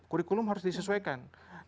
kurikulum harus disesuaikan